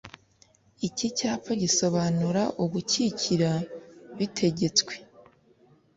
Iki cyapa gisobanura Ugukikira bitegetswe